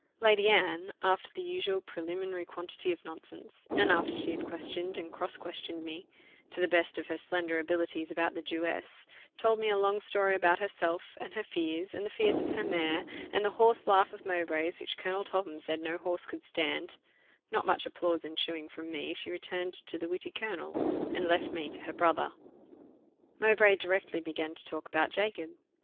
Lady Anne, after the usual preliminary quantity of nonsense, and after she had questioned and cross questioned me, to the best of her slender abilities, about the Jewess, told me a long story about herself, and her fears, and the fears of her mare, and a horse laugh of Mowbray's which Colonel Topham said no horse could stand: not much applause ensuing from me, she returned to the witty colonel, and left me to her brother. Mowbray directly began to talk about Jacob.